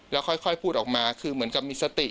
แล้วค่อยพูดออกมาคือเหมือนกับมีสติ